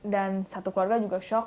dan satu keluarga juga shock